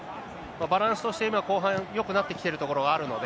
バランスとして後半、今、よくなってきているところあるので。